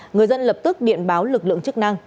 người dân lập tức điện báo lực lượng chức năng